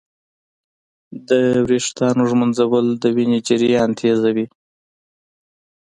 د ویښتانو ږمنځول د وینې جریان تېزوي.